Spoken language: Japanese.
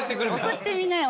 送ってみなよ。